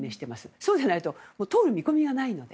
そうでないと通る見込みがないので。